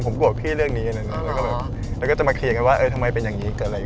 พูดเรื่อยอย่างอย่างงี้หรอ